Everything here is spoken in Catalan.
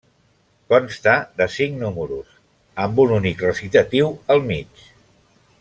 Consta de cinc números, amb un únic recitatiu al mig.